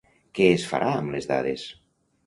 Què es farà amb les dades?